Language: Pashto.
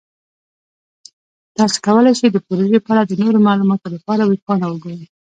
تاسو کولی شئ د پروژې په اړه د نورو معلوماتو لپاره ویب پاڼه وګورئ.